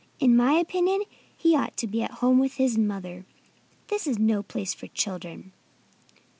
In my opinion he ought to be at home with his mother. This is no place for children."